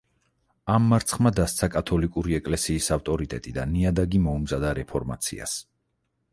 ამ მარცხმა დასცა კათოლიკური ეკლესიის ავტორიტეტი და ნიადაგი მოუმზადა რეფორმაციას.